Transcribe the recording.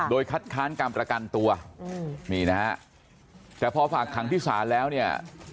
โดยคัดค้านการประกันตัวนี่นะฮะแต่พอฝากขังที่ศาลแล้วเนี่ย